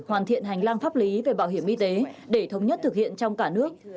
hoàn thiện hành lang pháp lý về bảo hiểm y tế để thống nhất thực hiện trong cả nước